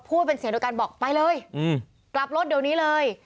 พูดเป็นเสียงเดียวกันบอกไปเลยกลับรถเดี๋ยวนี้เลย